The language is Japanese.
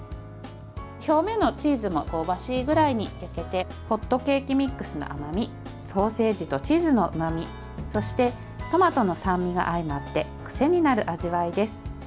表面のチーズも香ばしいぐらいに焼けてホットケーキミックスの甘みソーセージとチーズのうまみそして、トマトの酸味が相まって癖になる味わいです。